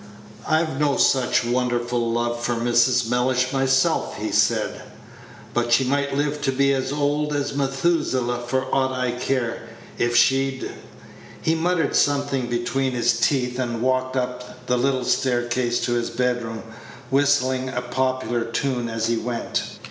"I've no such wonderful love for Mrs. Mellish myself," he said; "but she might live to be as old as Methuselah for aught I care, if she'd" he muttered something between his teeth, and walked up the little staircase to his bedroom, whistling a popular tune as he went.